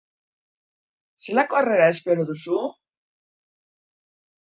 Zelako harrera espero duzu?